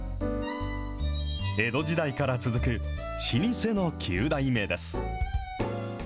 江戸時代から続く、老舗の９代目です。